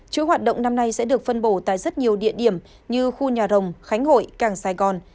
chuỗi hoạt động năm nay sẽ được phân bổ tại rất nhiều địa điểm như khu nhà rồng khánh hội càng sài gòn